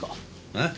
えっ？